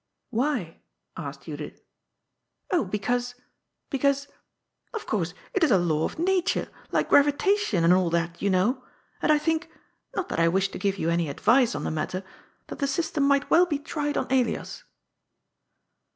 " "Why?" asked Judith. " Oh, because — ^because Of course, it is a law of nature, like gravitation, and all that, you know ! And I think — ^not that I wish to give you any advice on the mat ter — that the system might well be tried on Elias."